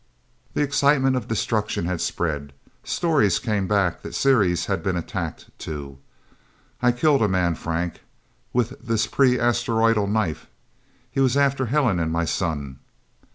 The excitement of destruction had spread. Stories came back that Ceres had been attacked, too. "I killed a man, Frank with this pre Asteroidal knife. He was after Helen and my son..."